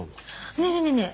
ねえねえねえねえ